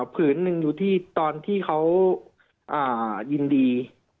ผืนหนึ่งอยู่ที่ตอนที่เขายินดี